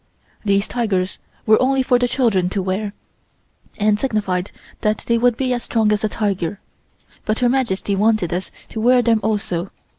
These tigers were only for the children to wear, and signified that they would be as strong as a tiger, but Her Majesty wanted us to wear them also.